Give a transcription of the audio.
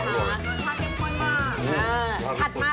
ท่าเข้มผ่อนเลยค่ะ